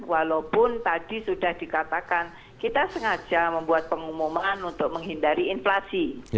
walaupun tadi sudah dikatakan kita sengaja membuat pengumuman untuk menghindari inflasi